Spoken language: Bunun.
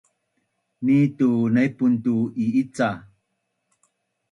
ni tu naipun tu i’ica?